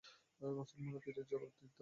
মুসলমানরা তীরের জবাব তীর দ্বারাই দিতেন।